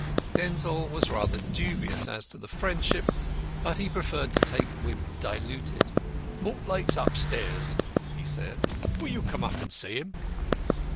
Denzil was rather dubious as to the friendship, but he preferred to take Wimp diluted. "Mortlake's upstairs," he said; "will you come up and see him?"